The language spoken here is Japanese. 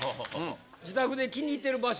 自宅で気に入ってる場所